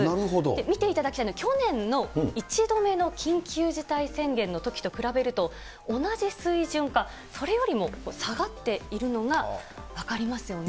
見ていただきたいのは去年の１度目の緊急事態宣言のときと比べると、同じすいじゅん化、それよりも下がっているのが分かりますよね。